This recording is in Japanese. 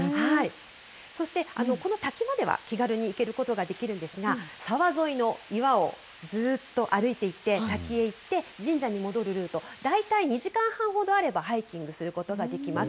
そして、この滝までは気軽に行けることができるんですが、沢沿いの岩をずーっと歩いていって、滝へ行って、神社に戻るルート、大体２時間半ほどあればハイキングすることができます。